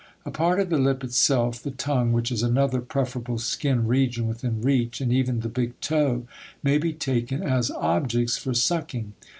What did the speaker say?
A part of the lip itself, the tongue, which is another preferable skin region within reach, and even the big toe may be taken as objects for sucking.